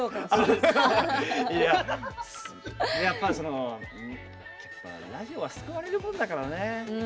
やっぱりラジオは救われるものだからな。